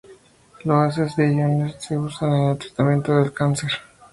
Los haces de iones se usan en el tratamiento del cáncer.